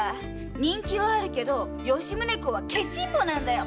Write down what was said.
人気はあるけど吉宗公はケチンボなんだよ！